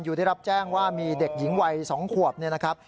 ได้รับแจ้งว่ามีเด็กหญิงวัย๒ขวบเนี่ยนะครับ